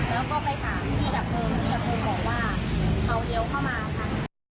แล้วก็ไปถามที่ดับโรงที่เขาบอกว่าเขาเลี้ยวเข้ามาค่ะ